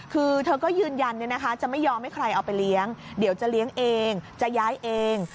คือเธอก็ยืนยันจะไม่ยอมให้ใครเอาไปเลี้ยงเดี๋ยวจะเลี้ยงเองจะย้ายเอง